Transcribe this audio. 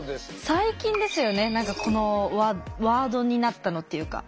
最近ですよね何かこのワードになったのっていうか。